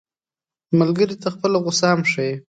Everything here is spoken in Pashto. ملګری ته خپله غوسه هم ښيي